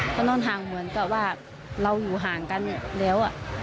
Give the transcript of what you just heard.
เขานอนห่างเหมือนกับว่าเราอยู่ห่างกันแล้ว